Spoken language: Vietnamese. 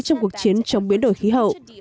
trong cuộc chiến chống biến đổi khí hậu